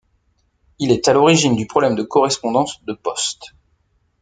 Il est à l'origine du problème de correspondance de Post.